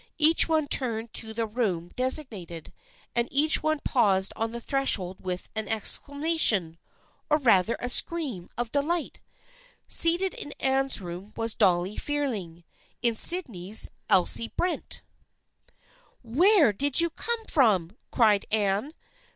Each one turned to the room designated, and each one paused on the threshold with an exclamation, or rather a scream, of delight. Seated in Anne's room was Dolly Fearing, in Syd ney's was Elsie Brent. THE FKIENDSHIP OF ANNE 323 " Where did you come from ?" cried Anne.